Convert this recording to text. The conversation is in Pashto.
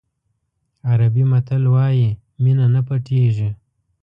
عربي متل وایي مینه نه پټېږي.